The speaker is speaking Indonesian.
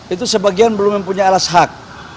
itu sebagian belum mempunyai alas hak